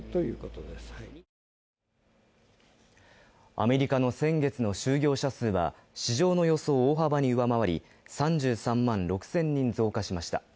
アメリカの先月の就業者数は市場の予想を大幅に上回り３３万６０００人増加しました。